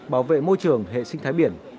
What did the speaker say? bảo vệ môi trường hệ sinh thái biển